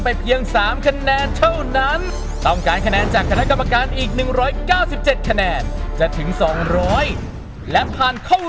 รอเถอะเธอเมื่อไหร่ถึงเจอสนอง